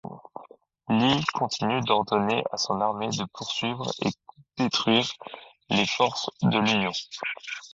Lee continue d'ordonner à son armée de poursuivre et détruire les forces de l'Union.